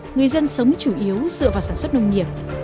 người dân sống chủ yếu dựa vào sản xuất nông nghiệp